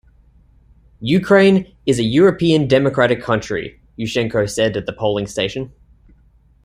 "Ukraine is a European democratic country", Yushchenko said at the polling station.